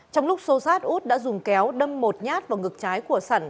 trong lúc xô sát út đã dùng kéo đâm một nhát vào ngực trái của sẩn